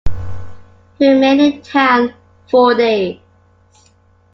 He remained in town four days.